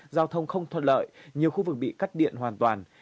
giao thông không thuận lợi nhiều khu vực bị cắt điện hoàn toàn